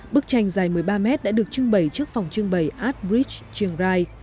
bức tranh dài một mươi ba mét đã được trưng bày trước phòng trưng bày art bridge chiêng rai